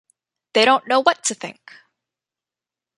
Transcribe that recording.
They don't know what to think.